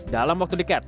dalam waktu dekat